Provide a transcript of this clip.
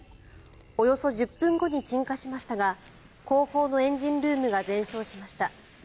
およそ１０分後に鎮火しましたが後方のエンジンルームが全焼しました。